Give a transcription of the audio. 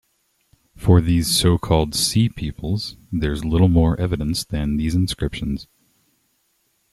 For these so-called "Sea Peoples", there is little more evidence than these inscriptions.